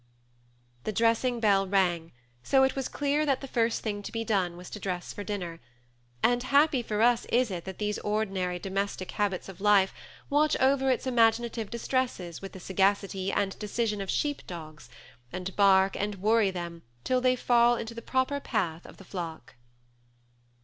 The dressing bell rang, so it was clear that the first thing to be done was to dress for dinner ; and happy for us is it that these ordinary domestic habits of life watch over its imaginative distresses with the sagacity and de cision of sheep dogs, and bark and worry them tiU they fall into the proper path of the fiock.